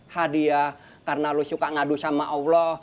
hadiah karena lo suka ngadu sama allah